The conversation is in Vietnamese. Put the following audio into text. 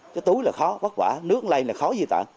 cái tối là khó vất vả nước lây là khó di tản